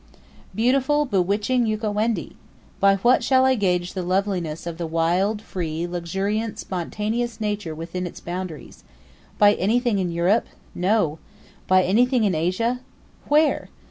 Beautiful, bewitching Ukawendi! By what shall I gauge the loveliness of the wild, free, luxuriant, spontaneous nature within its boundaries? By anything in Europe? No. By anything in Asia? Where?